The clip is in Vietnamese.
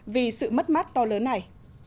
vì sự mất mát to lớn này